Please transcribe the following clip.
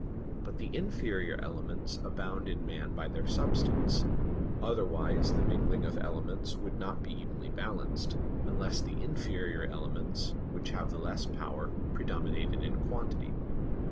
But the inferior elements abound in man by their substance; otherwise the mingling of elements would not be evenly balanced, unless the inferior elements, which have the less power, predominated in quantity.